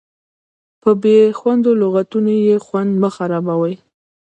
په بې خوندو لغتونو یې خوند مه خرابوئ.